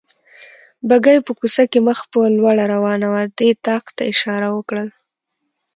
بګۍ په کوڅه کې مخ په لوړه روانه وه، دې طاق ته اشاره وکړل.